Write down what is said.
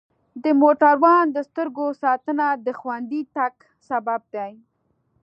د موټروان د سترګو ساتنه د خوندي تګ سبب دی.